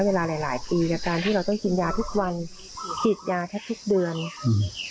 หลายหลายปีเนี้ยการที่เราต้องกินยาทุกวันฉีดยาแทบทุกเดือนอืม